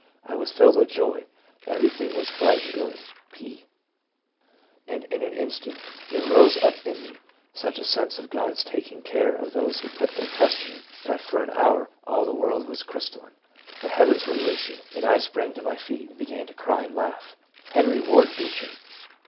I was filled with joy; everything was bright and good." — P. " And in an instant there rose up in me such a sense of God's taking care of those who put their trust in him that for an hour all the world was crystalline, the heavens were lucid, and I 352 leixba : sprang to my feet and began to cry and laugh. ..."— Henry Ward Beecher.